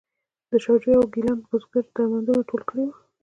د شاه جوی او ګیلان بزګرو درمندونه ټول کړي وو.